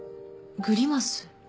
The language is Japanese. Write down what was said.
グリマス？